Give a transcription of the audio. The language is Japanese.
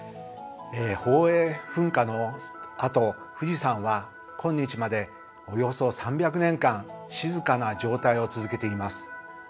宝永噴火のあと富士山は今日までおよそ３００年間静かな状態を続けています。